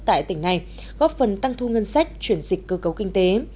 tại tỉnh này góp phần tăng thu ngân sách chuyển dịch cơ cấu kinh tế